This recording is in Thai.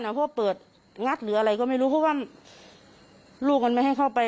เพราะว่าเปิดงัดหรืออะไรก็ไม่รู้เพราะว่าลูกมันไม่ให้เข้าไป